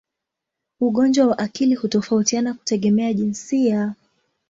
Ugonjwa wa akili hutofautiana kutegemea jinsia.